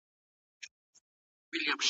ده د پښتو ادب لوی سهم واخيست.